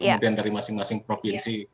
kemudian dari masing masing provinsi